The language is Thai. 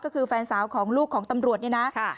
ก็คือแฟนสาวของลูกของตำรวจเนี่ยนะ